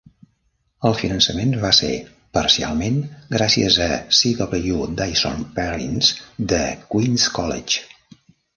El finançament va ser, parcialment, gràcies a C. W. Dyson Perrins de Queen's College.